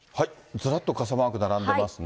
ずらっと傘マーク並んでますね。